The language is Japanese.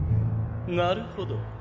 なるほど。